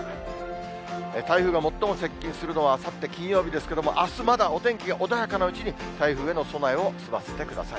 台風が最も接近するのはあさって金曜日ですけれども、あすまだお天気が穏やかなうちに、台風への備えを済ませてください。